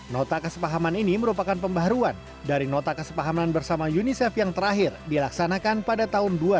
nota kesepahaman ini merupakan pembaharuan dari nota kesepahaman bersama unicef yang terakhir dilaksanakan pada tahun dua ribu dua